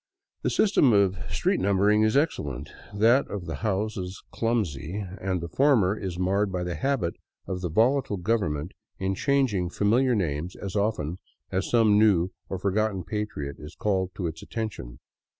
The system of street numbering is excellent, that of the houses clumsy, and the former is marred by the habit of the volatile government in changing familiar names as often as some new or for gotten patriot is called to its attention.